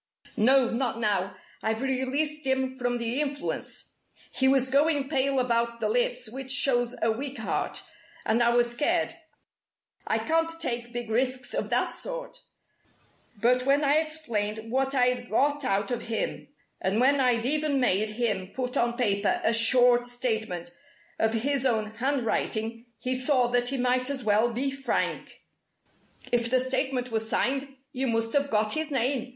"No, not now. I've released him from the influence. He was going pale about the lips, which shows a weak heart, and I was scared. I can't take big risks of that sort! But when I explained what I'd got out of him, and when I'd even made him put on paper a short statement of his own handwriting, he saw that he might as well be frank " "If the statement was signed, you must have got his name.